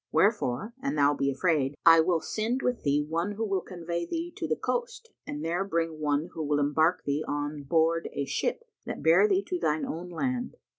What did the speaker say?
Wherefore, an thou be afraid, I will send with thee one who will convey thee to the coast and there bring one who will embark thee on board a ship that bear thee to thine own land.